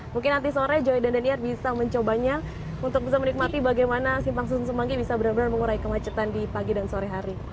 mungkin nanti sore joy dan daniar bisa mencobanya untuk bisa menikmati bagaimana simpang susun semanggi bisa benar benar mengurai kemacetan di pagi dan sore hari